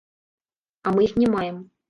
А мы іх не маем.